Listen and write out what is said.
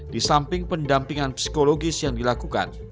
di samping pendampingan psikologis yang dilakukan